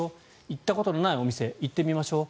行ったことのないお店に行ってみましょう。